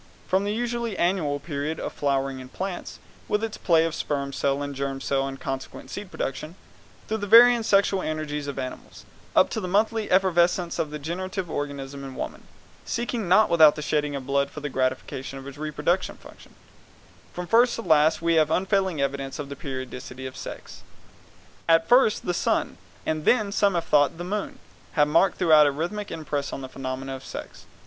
From the usually annual period of flowering in plants, with its play of sperm cell and germ cell and consequent seed production, through the varying sexual energies of animals, up to the monthly effervescence of the generative organism in woman, seeking not without the shedding of blood for the gratification of its reproductive function, from first to last we find unfailing evidence of the periodicity of sex. At first the sun, and then, as some have thought, the moon, have marked throughout a rhythmic impress on the phenomena of sex.